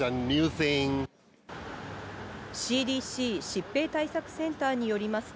ＣＤＣ＝疾病対策センターによります